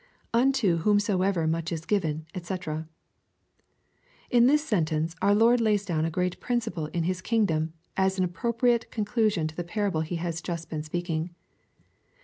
[ Unto whomsoever much is given^ <fcc.] In this sentence our Lord lays down a great principle in His kingdom, as an appropriate con clusion to the parable he has just been speaking.